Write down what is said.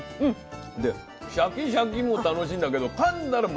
でシャキシャキも楽しいんだけどかんだら